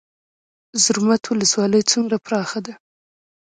زرمت ولسوالۍ څومره پراخه ده؟